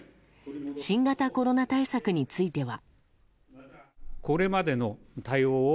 新型コロナ対策については。